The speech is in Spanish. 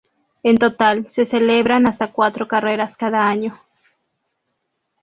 En total, se celebran hasta cuatro carreras cada año.